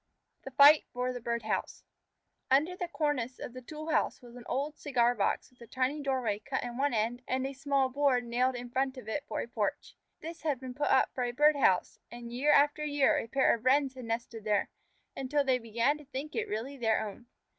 THE FIGHT FOR THE BIRD HOUSE Under the cornice of the tool house was an old cigar box with a tiny doorway cut in one end and a small board nailed in front of it for a porch. This had been put up for a bird house, and year after year a pair of Wrens had nested there, until they began to think it really their own.